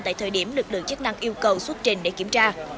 tại thời điểm lực lượng chức năng yêu cầu xuất trình để kiểm tra